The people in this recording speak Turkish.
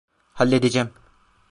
Halledeceğim.